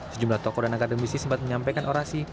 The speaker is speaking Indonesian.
sejumlah tokoh dan akademisi sempat menyampaikan orasi